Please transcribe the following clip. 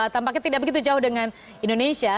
tampaknya tidak begitu jauh dengan indonesia